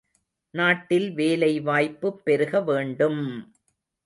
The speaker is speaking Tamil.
நாட்டில் வேலை வாய்ப்புப் பெருக வேண்டும்!